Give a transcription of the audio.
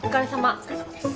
お疲れさまです。